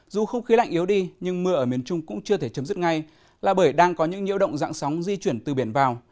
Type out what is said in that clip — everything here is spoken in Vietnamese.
dù không khí lạnh yếu đi nhưng mưa ở miền trung cũng chưa thể chấm dứt ngay là bởi đang có những nhiễu động dạng sóng di chuyển từ biển vào